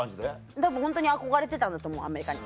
たぶんホントに憧れてたんだと思うアメリカに。